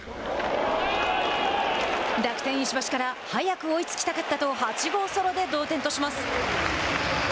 楽天、石橋から「早く追いつきたかった」と８号ソロで同点とします。